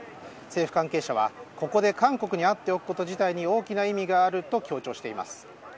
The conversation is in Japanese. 政府関係者は、ここで韓国に会っておくこと自体に大きな意味があると強調しています。